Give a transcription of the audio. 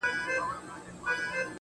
يو څه خو وايه کنه يار خبري ډيري ښې دي.